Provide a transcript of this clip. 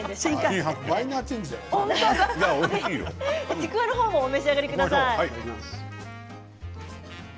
ちくわの方もお召し上がりください。